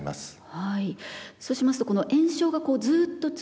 はい。